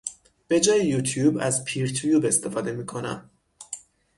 به جای یوتیوب از پیرتیوب استفاده میکنم